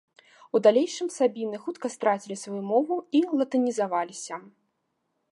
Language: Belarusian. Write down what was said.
У далейшым сабіны хутка страцілі сваю мову і латынізаваліся.